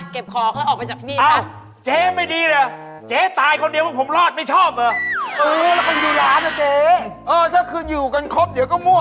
คืออยู่ะกันครบเดี๋ยวก็มั่ว